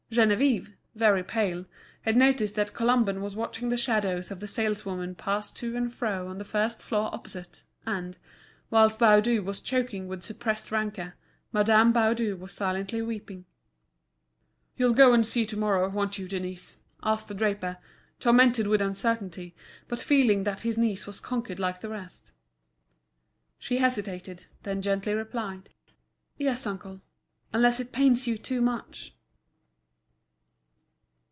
Geneviève, very pale, had noticed that Colomban was watching the shadows of the saleswomen pass to and fro on the first floor opposite; and, whilst Baudu was choking with suppressed rancour, Madame Baudu was silently weeping. "You'll go and see to morrow, won't you, Denise?" asked the draper, tormented with uncertainty, but feeling that his niece was conquered like the rest. She hesitated, then gently replied: "Yes, uncle, unless it pains you too much."